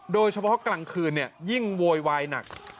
โดยเฉพาะกลางคืนยิ่งโวยวายหนัก